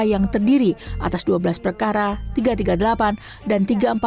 yang terdiri atas dua belas perkara tiga ratus tiga puluh delapan dan tiga ratus empat puluh